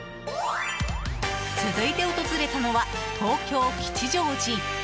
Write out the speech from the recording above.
続いて訪れたのは東京・吉祥寺。